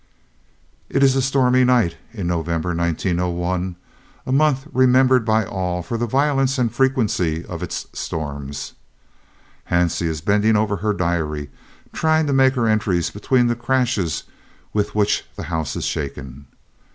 It is a stormy night in November 1901, a month remembered by all for the violence and frequency of its storms. Hansie is bending over her diary, trying to make her entries between the crashes with which the house is shaken.